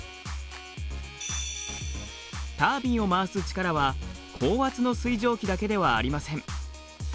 タービンを回す力は高圧の水蒸気だけではありません。